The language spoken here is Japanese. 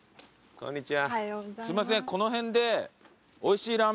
こんにちは。